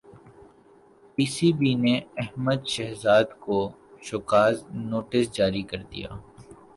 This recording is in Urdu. پی سی بی نے احمد شہزاد کو شوکاز نوٹس جاری کردیا